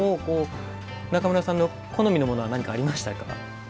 中村さんの好みのものは何かありましたか？